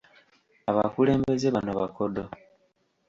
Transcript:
Abakulembeze bano bakodo.